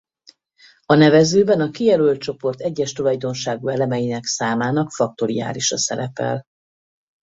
A nevezőben a kijelölt csoport egyes tulajdonságú elemeinek számának faktoriálisa szerepel.